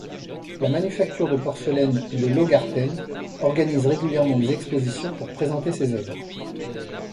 La manufacture de porcelaine de l'Augarten organise régulièrement des expositions pour présenter ses œuvres.